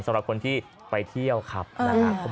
สำหรับคนที่ไปเที่ยวครับนะครับ